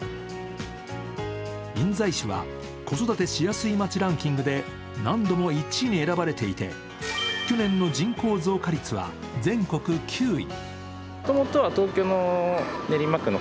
印西市は子育てしやすい街ランキングで何度も１位に選ばれていて去年の人口増加率は全国９位。